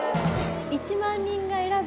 １万人が選ぶ！